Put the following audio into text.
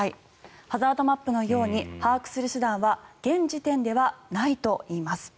ハザードマップのように把握する手段は現時点ではないといいます。